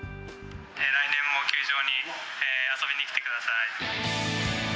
来年も球場に遊びに来てください。